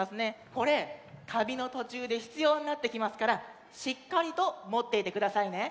これたびのとちゅうでひつようになってきますからしっかりともっていてくださいね。